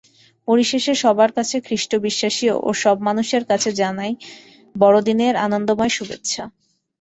পরিশেষে সবার কাছে খ্রিষ্টবিশ্বাসী ও সব মানুষের কাছে জানাই বড়দিনের আনন্দময় শুভেচ্ছা।